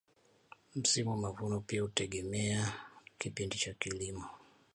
msimu wa mavuno pia hutegemea kipindi cha kilimo